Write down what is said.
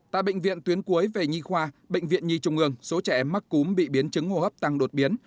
tại bệnh viện tuyến cuối về nhi khoa bệnh viện nhi trung ương số trẻ mắc cúm bị biến chứng hô hấp tăng đột biến